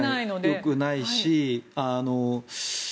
よくないし。